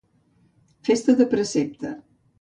Festa de precepte.